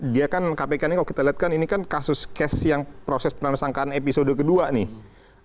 dia kan kpk ini kalau kita lihat kan ini kan kasus cash yang proses pranasangkaan episode kedua nih